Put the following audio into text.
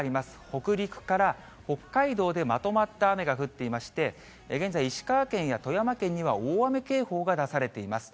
北陸から北海道でまとまった雨が降っていまして、現在、石川県や富山県には大雨警報が出されています。